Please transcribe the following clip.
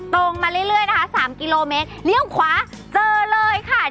ตรงมาเรื่อยนะคะสามกิโลเมตรเลี้ยวขวาเจอเลยค่ะ